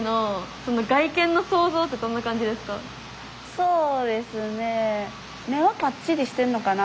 そうですね。